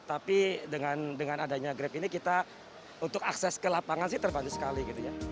tapi dengan adanya grab ini kita untuk akses ke lapangan terbantu sekali